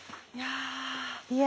いや。